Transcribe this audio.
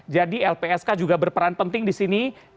jadi lpsk juga berperan penting di sini